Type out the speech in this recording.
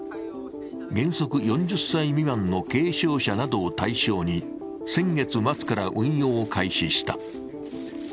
原則４０歳未満の軽症者などを対象に先月末から運用を開始した。